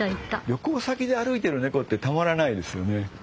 旅行先で歩いている猫ってたまらないですよね。